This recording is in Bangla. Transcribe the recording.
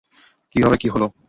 কিভাবে কী হল?